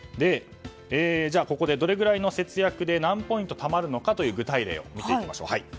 じゃあここでどれぐらいの節約で何ポイントたまるのかという具体例を見ていきましょう。